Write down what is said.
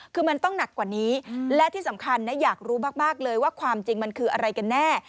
คือมันต้องหนักกว่านี้และที่สำคัญนะอยากรู้มากเลยว่าความจริงมันคืออะไรกันแน่